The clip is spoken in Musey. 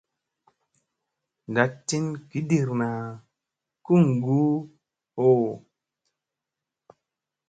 Ndaɗ tin giɗirna kuŋgu hoo.